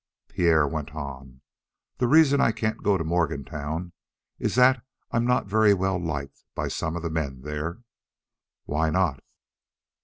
Pierre went on: "The reason I can't go to Morgantown is that I'm not very well liked by some of the men there." "Why not?"